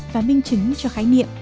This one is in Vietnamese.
và minh chứng cho khái niệm